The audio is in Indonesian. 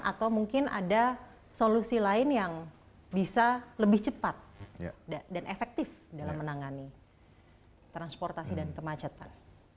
atau mungkin ada solusi lain yang bisa lebih cepat dan efektif dalam menangani transportasi dan kemacetan